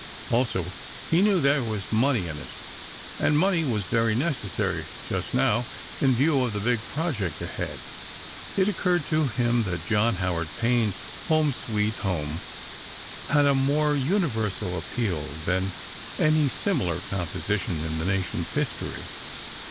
Also, he knew there was money in it, and money was very necessary just now, in view of the big project ahead. It occurred to him that John Howard Payne's "Home, Sweet Home" had a more universal appeal than any similar composition in the nation's history.